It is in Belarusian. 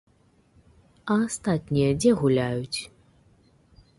А астатнія дзе гуляюць?